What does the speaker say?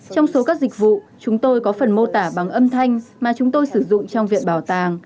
trong số các dịch vụ chúng tôi có phần mô tả bằng âm thanh mà chúng tôi sử dụng trong viện bảo tàng